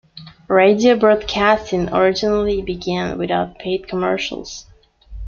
Radio broadcasting originally began without paid commercials.